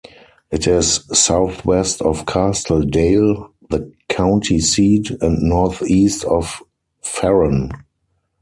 It is southwest of Castle Dale, the county seat, and northeast of Ferron.